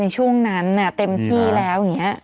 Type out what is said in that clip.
ช่วงนั้นเต็มที่แล้วอย่างนี้